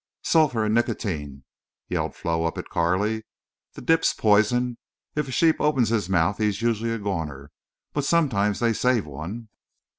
"Sulphur and nicotine," yelled Flo up at Carley. "The dip's poison. If a sheep opens his mouth he's usually a goner. But sometimes they save one."